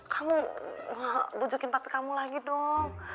kamu bujukin pakai kamu lagi dong